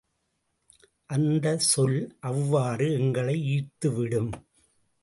அந்த சொல் அவ்வாறு எங்களை ஈர்த்துவிடும்.